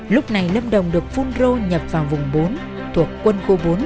lúc này lâm đồng được phunro nhập vào vùng bốn thuộc quân khu bốn